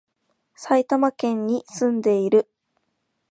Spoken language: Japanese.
埼玉県に、住んでいる